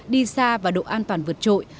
đi xa và độ an toàn vượt trội